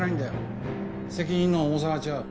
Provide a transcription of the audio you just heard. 責任の重さが違う。